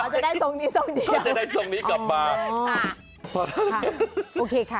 อ๋อจะได้ทรงนี้ทรงเดียวก็จะได้ทรงนี้กลับมาอ๋อโอเคค่ะ